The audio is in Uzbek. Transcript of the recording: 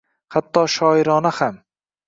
— Hatto shoirona ham.